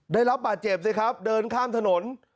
ได้รับบาดเจ็บสิครับเดินข้ามถนน